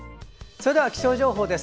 それでは気象情報です。